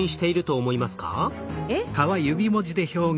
えっ？